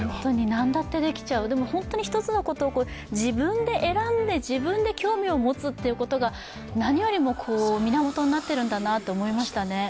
なんだってできちゃ、でも本当に一つのことを自分で選んで自分で興味を持つってことが何よりも源になっているんだなと思いますね。